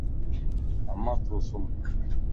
امان تون سم